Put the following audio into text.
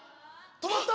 止まった！